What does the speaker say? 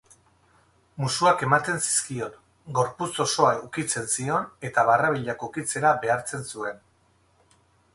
Musuak ematen zizkion, gorputz osoa ukitzen zion eta barrabilak ukitzera behartzen zuen.